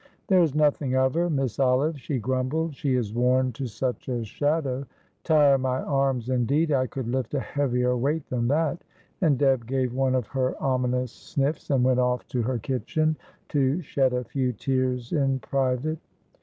"There is nothing of her, Miss Olive," she grumbled. "She is worn to such a shadow. Tire my arms, indeed I could lift a heavier weight than that," and Deb gave one of her ominous sniffs, and went off to her kitchen to shed a few tears in private.